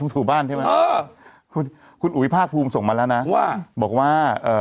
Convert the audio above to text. ถูบ้านใช่ไหมเออคุณคุณอุ๋ยภาคภูมิส่งมาแล้วนะว่าบอกว่าเอ่อ